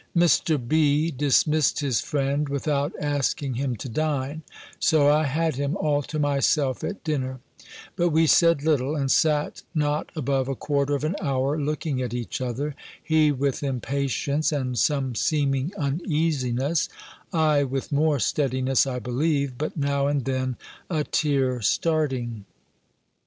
Mr. B. dismissed his friend, without asking him to dine; so I had him all to myself at dinner But we said little, and sat not above a quarter of an hour; looking at each other: he, with impatience, and some seeming uneasiness; I with more steadiness, I believe, but now and then a tear starting.